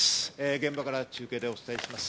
現場から中継でお伝えします。